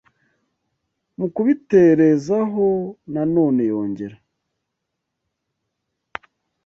Mu kubiterezaho na none yongera